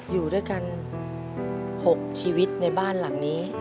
อยู่ด้วยกัน๖ชีวิตในบ้านหลังนี้